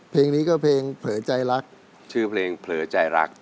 เพลงนี้ก็เพลงเผลอใจรัก